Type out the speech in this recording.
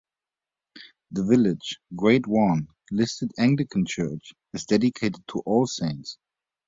The village Grade One listed Anglican church is dedicated to All Saints.